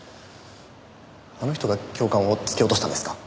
あの人が教官を突き落としたんですか？